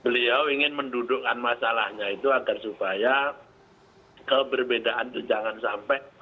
beliau ingin mendudukkan masalahnya itu agar supaya keberbedaan itu jangan sampai